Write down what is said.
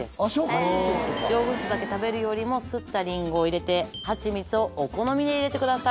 ヨーグルトだけ食べるよりもすったリンゴを入れてハチミツをお好みで入れてください。